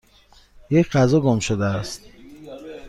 یک غذا گم شده است.